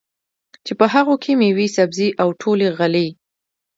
چې په هغو کې مېوې، سبزۍ او ټولې غلې